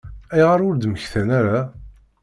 Ayɣer ur d-mmektan ara?